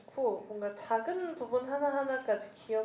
เพราะว่าอะไรคะเคอเดย์เป็นอย่างไรคะ